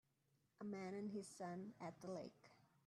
A man and his son at the lake